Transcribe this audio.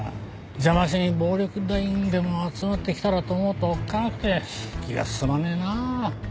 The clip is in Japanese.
邪魔しに暴力団員でも集まってきたらと思うとおっかなくて気が進まねえなあ。